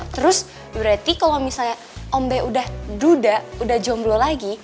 terus berarti kalau misalnya ombe udah duda udah jomblo lagi